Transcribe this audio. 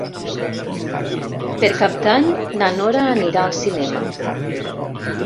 Per Cap d'Any na Nora anirà al cinema.